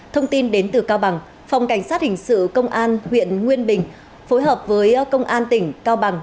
thông tin đến từ cao bằng phòng cảnh sát hình sự công an huyện nguyên bình phối hợp với công an tỉnh cao bằng